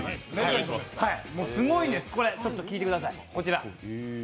すごいんです、これちょっと聴いてください、こちら。